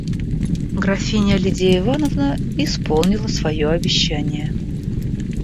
Графиня Лидия Ивановна исполнила свое обещание.